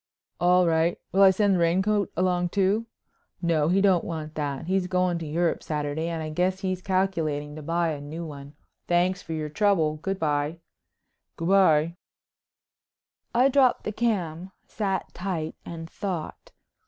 "All right. Will I send the raincoat along, too?" "No, he don't want that. He's goin' to Europe Saturday and I guess he's calculating to buy a new one. Thanks for your trouble. Good bye." "Good bye." I dropped the cam, sat tight, and thought.